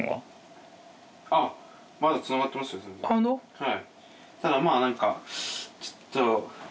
はい。